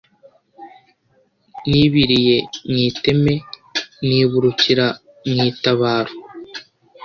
Nibiliye mu iteme niburukira mu itabaro,